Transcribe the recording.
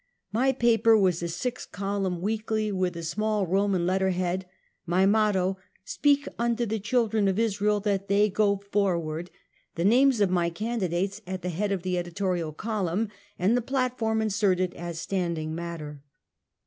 My paper was a six column weekly, with a small Eoman letter head, my motto, " Speak unto the children of Israel that they go forward," the names of my candidates at the head of the editorial column and the platform inserted as standing matter.